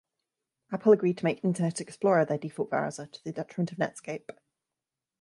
Apple agreed to make Internet Explorer their default browser, to the detriment of Netscape.